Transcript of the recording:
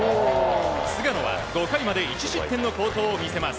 菅野は５回まで１失点の好投を見せます。